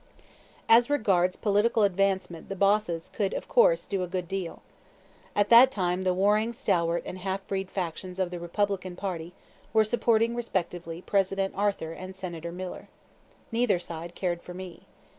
As regards political advancement the bosses could of course do a good deal. At that time the warring Stalwart and Half Breed factions of the Republican party were supporting respectively President Arthur and Senator Miller. Neither side cared for me.